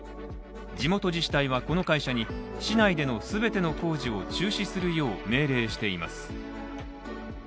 地元自治体はこの会社に市内での全ての工事を中止するよう命令しています。